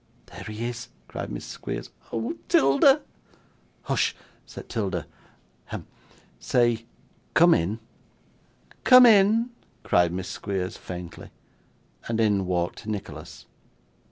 'There he is!' cried Miss Squeers. 'Oh 'Tilda!' 'Hush!' said 'Tilda. 'Hem! Say, come in.' 'Come in,' cried Miss Squeers faintly. And in walked Nicholas.